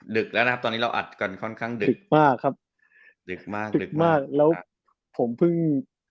หลุดเผลอครับแต่เราอัดก่อนระห่างสูง